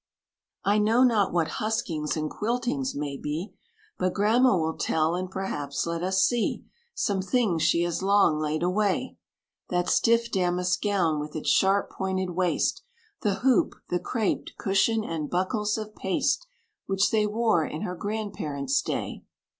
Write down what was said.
"I know not what huskings and quiltings maybe; But Grandma' will tell; and perhaps let us see Some things she has long laid away: That stiff damask gown, with its sharp pointed waist, The hoop, the craped, cushion, and buckles of paste, Which they wore in her grandparent's day.